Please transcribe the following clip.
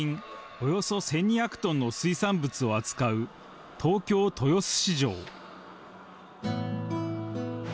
およそ１２００トンの水産物を扱う、東京・豊洲市場